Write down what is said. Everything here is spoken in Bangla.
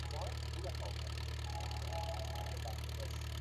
আমরা অভিজ্ঞতা থেকে জেনেছি এবং শিখেছি যে মেয়রের কাজ প্রধানত দুটি।